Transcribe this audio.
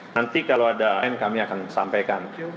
nanti kalau ada an kami akan sampaikan